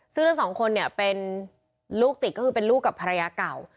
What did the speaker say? ซึ่งทั้งสองคนเนี่ยเป็นลูกติดก็คือเป็นลูกกับภรรยาเก่า